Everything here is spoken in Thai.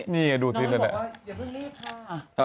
นี่ดูซีนเลยแหละ